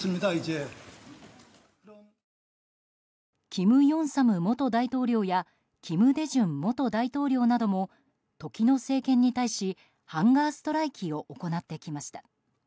金泳三元大統領や金大中元大統領なども時の政権に対しハンガーストライキを行ってきました。